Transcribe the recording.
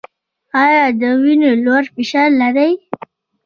ایا د وینې لوړ فشار لرئ؟